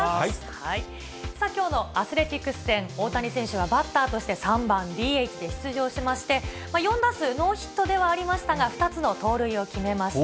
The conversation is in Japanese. きょうのアスレチックス戦、大谷選手はバッターとして３番ＤＨで出場しまして、４打数ノーヒットではありましたが、２つの盗塁を決めました。